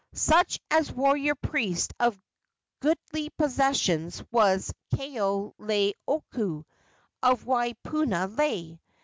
Such a warrior priest of goodly possessions was Kaoleioku, of Waipunalei.